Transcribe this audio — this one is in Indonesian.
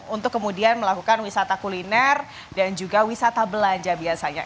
untuk kemudian melakukan wisata kuliner dan juga wisata belanja biasanya